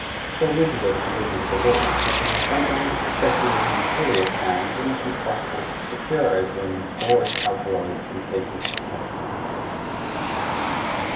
So rigid are the provisions of the law that it is sometimes, especially in interior towns, almost impossible to secure opium or its alkaloids in cases of medical necessity....